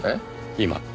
今。